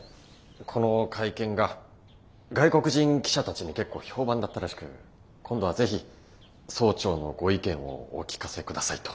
この会見が外国人記者たちに結構評判だったらしく今度は是非総長のご意見をお聞かせくださいと。